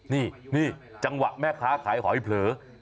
นี่นี่จังหวะแม่ค้าขายหอยเผลอ